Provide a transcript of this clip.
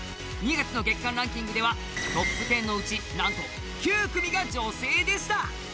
２月の月間ランキングではトップ１０のうちなんと９組が女性でした。